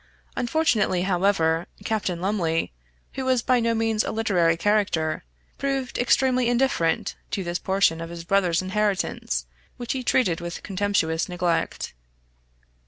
Unfortunately, however, Captain Lumley, who was by no means a literary character, proved extremely indifferent to this portion of his brother's inheritance, which he treated with contemptuous neglect.